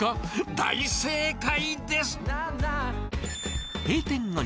大正解です。